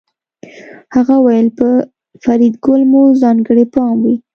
هغه وویل په فریدګل مو ځانګړی پام وي